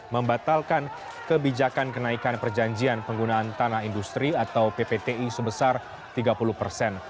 membatalkan kebijakan kenaikan perjanjian penggunaan tanah industri atau ppti sebesar tiga puluh persen